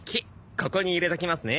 ここに入れときますね。